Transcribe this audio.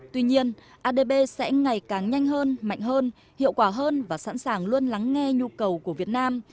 tuy nhiên adb sẽ ngày càng nhanh hơn mạnh hơn hiệu quả hơn và sẵn sàng luôn lắng nghe nhu cầu của việt nam